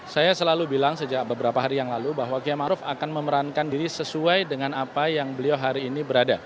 saya selalu bilang sejak beberapa hari yang lalu bahwa kiai maruf akan memerankan diri sesuai dengan apa yang beliau hari ini berada